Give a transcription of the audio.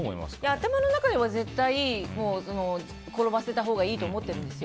頭の中では絶対、転ばせたほうがいいと思っているんですよ。